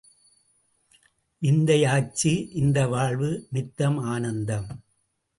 விந்தை யாச்சு இந்த வாழ்வு நித்தம் ஆனந்தம்!